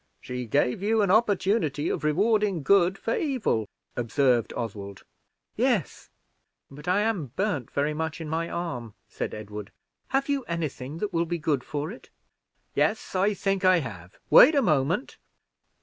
"She gave you an opportunity of rewarding good for evil," observed Oswald. "Yes, but I am burned very much in my arm," said Edward. "Have you any thing that will be good for it?" "Yes, I think I have: wait a moment."